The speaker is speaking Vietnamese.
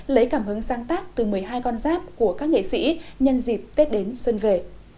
lấy cảm hứng sáng tác từ một mươi hai con giáp của các nghệ sĩ nhân dịp tết đến xuân về